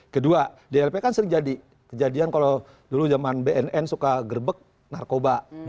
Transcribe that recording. kedua di lp kan sering jadi kejadian kalau dulu zaman bnn suka gerbek narkoba